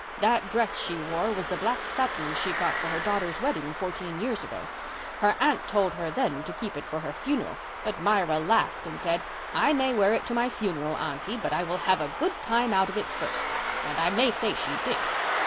That dress she wore was the black satin she got for her daughter's wedding fourteen years ago. Her Aunt told her then to keep it for her funeral, but Myra laughed and said, 'I may wear it to my funeral, Aunty, but I will have a good time out of it first.' And I may say she did.